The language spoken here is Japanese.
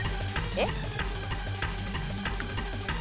えっ。